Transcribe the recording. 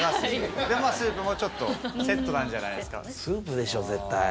でスープもちょっとセットなんじゃないですか。